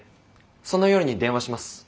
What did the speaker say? その夜に電話します。